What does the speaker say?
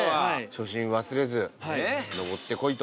「初心忘れず登って来いと」